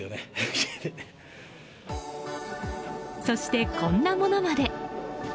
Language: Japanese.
そして、こんなものまで。